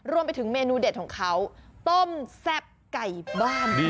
รวมไปถึงเมนูเด็ดของเขาต้มแซ่บไก่บ้าน